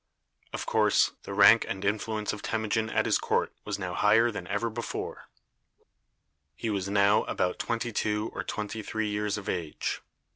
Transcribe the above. Of course, the rank and influence of Temujin at his court was now higher than ever before. He was now about twenty two or twenty three years of age.